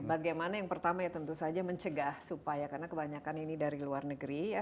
bagaimana yang pertama ya tentu saja mencegah supaya karena kebanyakan ini dari luar negeri ya